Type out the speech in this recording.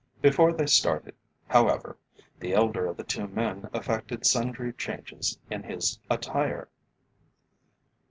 Before they started, however, the elder of the two men effected sundry changes in his attire.